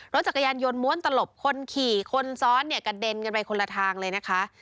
รถจักรยานยนต์ม้วนตลบคนขี่คนซ้อนเนี่ยกระเด็นกันไปคนละทางเลยนะคะ